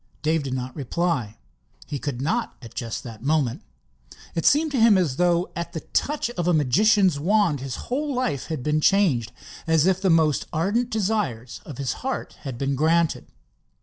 Dave did not reply. He could not, at just that moment. It seemed to him as though at the touch of a magician's wand his whole life had been changed—as if the most ardent desires of his heart had been granted.